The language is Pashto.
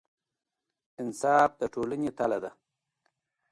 انصاف د ټولنې تله ده.